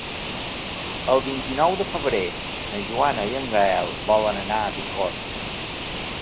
El vint-i-nou de febrer na Joana i en Gaël volen anar a Bicorb.